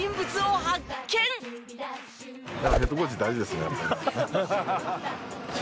ヘッドコーチ大事ですねやっぱり。